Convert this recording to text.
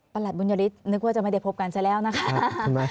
บุญยฤทธนึกว่าจะไม่ได้พบกันซะแล้วนะคะ